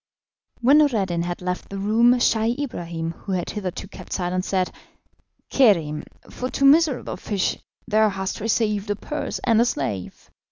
When Noureddin had left the room, Scheih Ibrahim, who had hitherto kept silence, said: "Kerim, for two miserable fish thou hast received a purse and a slave.